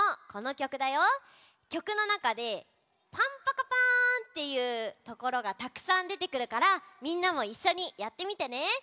きょくのなかで「パンパカパーン」っていうところがたくさんでてくるからみんなもいっしょにやってみてね。